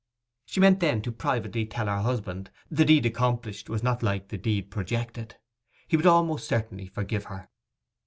She meant then to privately tell her husband: the deed accomplished was not like the deed projected. He would almost certainly forgive her.